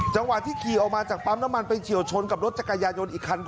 จังหวะที่ขี่ออกมาจากปั๊มน้ำมันไปเฉียวชนกับรถจักรยายนอีกคัน